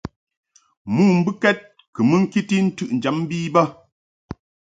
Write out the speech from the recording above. Mo mbɨkɛd kɨ mɨ ŋkiti ntɨʼnjam bi bə.